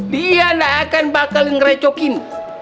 dia gak akan bakal ngerecokin